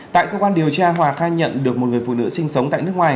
tại cơ quan điều tra hòa khai nhận được một người phụ nữ sinh sống tại nước ngoài